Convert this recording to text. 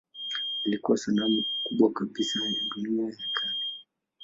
Ilikuwa sanamu kubwa kabisa ya dunia ya kale.